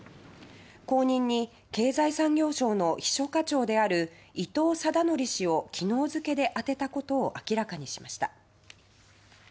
後任に経済産業省の秘書課長である伊藤禎則氏を昨日付で充てたことを明らかにしました。